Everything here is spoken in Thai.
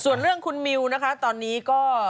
ส่วนเรื่องคุณมิวนะคะตอนนี้ก็